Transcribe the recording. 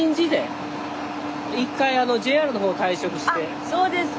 あそうですか。